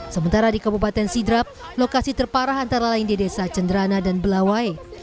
sementara di kabupaten sidrap lokasi terparah antara lain di desa cenderana dan belawai